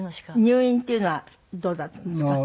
入院っていうのはどうだったんですか？